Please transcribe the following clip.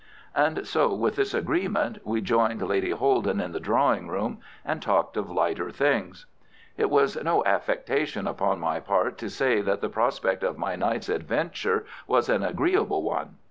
And so with this agreement we joined Lady Holden in the drawing room and talked of lighter things. It was no affectation upon my part to say that the prospect of my night's adventure was an agreeable one.